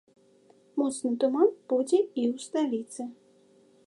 Моцны туман будзе і ў сталіцы.